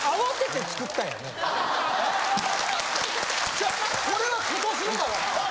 違うこれは今年のだから。